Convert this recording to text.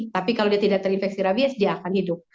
tapi kalau dia tidak terinfeksi rabies dia akan hidup